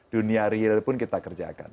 dunia real pun kita kerjakan